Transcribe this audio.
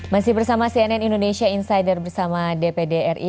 masih bersama cnn indonesia insider bersama dpd ri